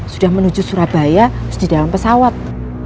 sudah menuju surabaya di dalam pesawat